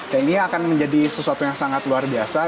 dan ini akan menjadi sesuatu yang sangat luar biasa